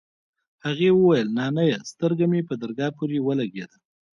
هغې وويل نانيه سترگه مې په درگاه پورې ولگېده.